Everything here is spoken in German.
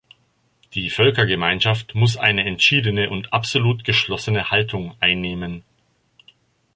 Die Völkergemeinschaft muss eine entschiedene und absolut geschlossene Haltung einnehmen.